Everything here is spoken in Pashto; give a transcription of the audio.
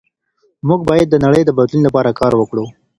موږ باید د نړۍ د بدلون لپاره کار وکړو.